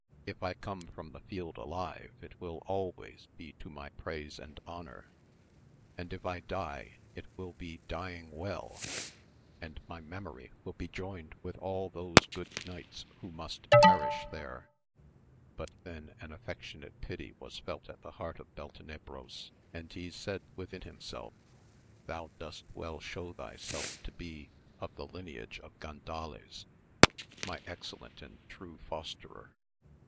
if I come from the field alive it will always be to my praise and honour, and if I die it will be dying well, and my memory will be joined with all those good knights who must perish there. But then an affectionate pity was felt at the heart of Beltenebros, and he said within himself, thou dost well show thyself to be of the lineage of Gandales, my excellent and true fos terer